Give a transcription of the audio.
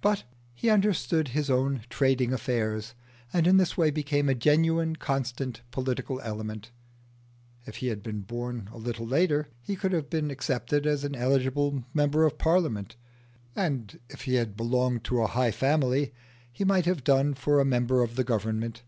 But he understood his own trading affairs, and in this way became a genuine, constant political element. If he had been born a little later he could have been accepted as an eligible member of Parliament, and if he had belonged to a high family he might have done for a member of the Government.